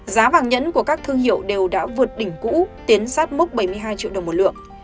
giá vàng nhẫn của các thương hiệu đều đã vượt đỉnh cũ tiến sát mốc bảy mươi hai triệu đồng một lượng